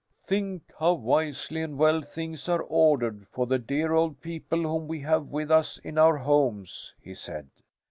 "Think how wisely and well things are ordered for the dear old people whom we have with us in our homes!" he said.